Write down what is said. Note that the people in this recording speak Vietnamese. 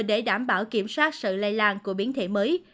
để đảm bảo kiểm soát sự lây lan của biến thể mới